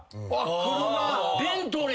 車。